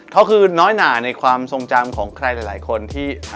เขาคือน้อยหนาในความทรงจำของใครหลายคนที่